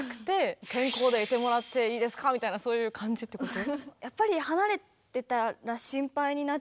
みたいなそういう感じってこと？